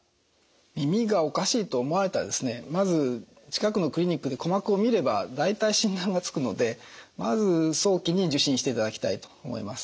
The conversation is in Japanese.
耳がおかしいと思われたらまず近くのクリニックで鼓膜を診れば大体診断はつくのでまず早期に受診していただきたいと思います。